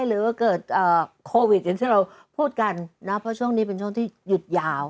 หรือว่าเกิดโควิดอย่างที่เราพูดกันนะเพราะช่วงนี้เป็นช่วงที่หยุดยาว